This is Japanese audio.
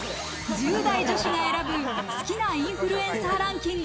１０代女子が選ぶ好きなインフルエンサーランキング